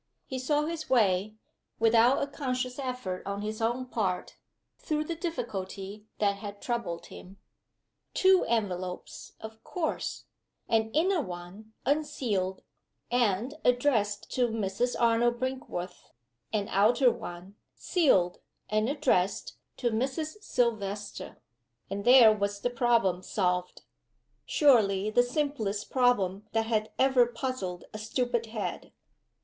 He saw his way, without a conscious effort on his own part, through the difficulty that had troubled him. Two envelopes, of course: an inner one, unsealed, and addressed to "Mrs. Arnold Brinkworth;" an outer one, sealed, and addressed to "Mrs. Silvester:" and there was the problem solved! Surely the simplest problem that had ever puzzled a stupid head.